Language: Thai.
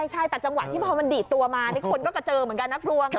ใช่แต่จังหวะที่พอมันดีดตัวมานี่คนก็กระเจอเหมือนกันนะกลัวไง